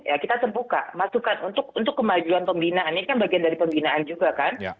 ya kita terbuka masukan untuk kemajuan pembinaan ini kan bagian dari pembinaan juga kan